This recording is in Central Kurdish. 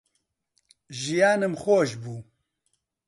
ژیانم خۆش بوو